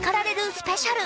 スペシャル」。